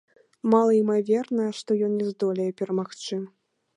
Малаімаверна, што ён не здолее перамагчы.